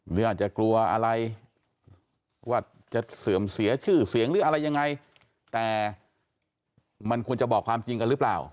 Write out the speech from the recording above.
หรืออาจจะกลัวอะไรว่าจะเสื่อมเสียชื่อเสียงหรืออะไรยังไงแต่มันควรจะบอกความจริงกันหรือเปล่า